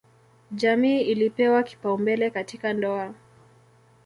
Jamii ilipewa kipaumbele katika ndoa.